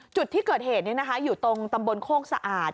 จุดที่เกิดเหตุอยู่ตรงตำบลโคกสะอาด